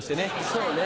そうね。